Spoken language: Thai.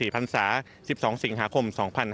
พันศา๑๒สิงหาคม๒๕๕๙